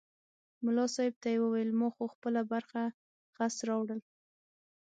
ملا صاحب ته یې وویل ما خو خپله برخه خس راوړل.